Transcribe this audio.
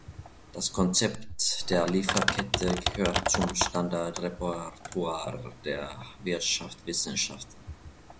Das Konzept der Lieferkette gehört zum Standardrepertoire der Wirtschaftswissenschaften.